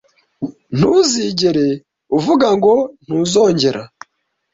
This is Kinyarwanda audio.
Ntuzigere uvuga ngo Ntuzongera